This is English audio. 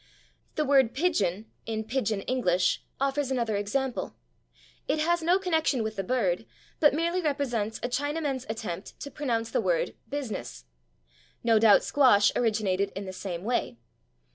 The word /pigeon/, in /Pigeon English/, offers another example; it has no connection with the bird, but merely represents a Chinaman's attempt to pronounce the word /business/. No doubt /squash/ originated in the same way.